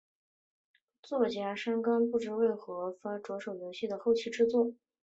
作曲家山冈晃表示开发商不知道如何着手游戏的后期制作。